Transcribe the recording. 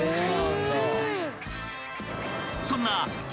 ［そんな激